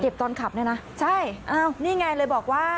เก็บตอนขับนี่นะใช่นี่ไงหนึ่งเลยบอกว่า